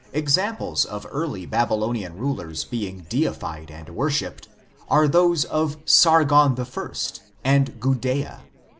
Examples of early Babylonian rulers being deified and worshipped are those of Sargon I and Gudea.